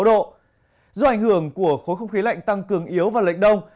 do ảnh hưởng của khối không khí lạnh tăng cường yếu và lệch đông